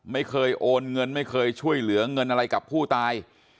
ไม่เคยโอนเงินไม่เคยช่วยเหลือเงินอะไรกับผู้ตาย